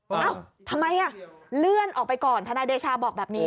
เอ้าทำไมอ่ะเลื่อนออกไปก่อนทนายเดชาบอกแบบนี้